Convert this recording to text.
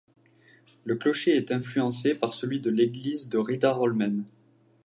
Le clocher est influencé par celui de l'église de Riddarholmen.